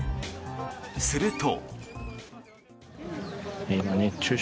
すると。